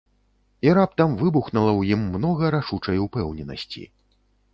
І раптам выбухнула ў ім многа рашучай упэўненасці.